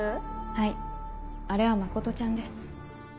はいあれは真ちゃんです。